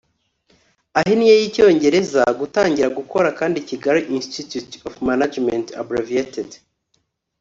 ahinnye y icyongereza gutangira gukora kandi Kigali Institute of Management abbreviated